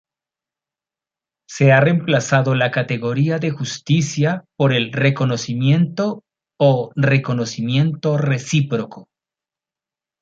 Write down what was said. Se ha reemplazado la categoría de justicia por el "reconocimiento" o "reconocimiento recíproco".